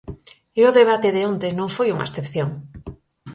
E o debate de onte non foi unha excepción.